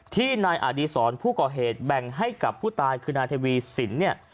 ที่นายอดีศรผู้ก่อเหตุแบ่งให้กับผู้ตายคือนายทวีสินเนี่ย